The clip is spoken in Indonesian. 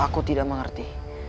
aku tidak mengerti